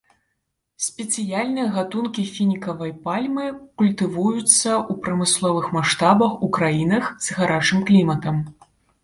Спецыяльныя гатункі фінікавай пальмы культывуюцца ў прамысловых маштабах ў краінах з гарачым кліматам.